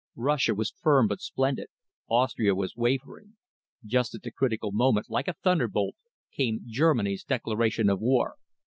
Russia was firm but splendid. Austria was wavering. Just at the critical moment, like a thunderbolt, came Germany's declaration of war.